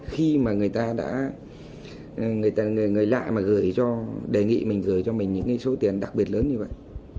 khi mà người lạ mà gửi cho đề nghị mình gửi cho mình những số tiền đặc biệt lớn như vậy